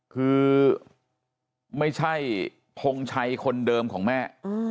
คือไม่ใช่พงชัยคนเดิมของแม่